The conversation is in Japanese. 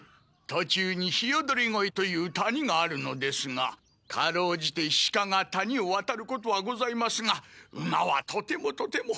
途中にひよどり越という谷があるのですがかろうじて鹿が谷を渡ることはございますが馬はとてもとても。